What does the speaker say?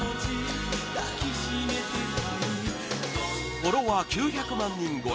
フォロワー９００万人超え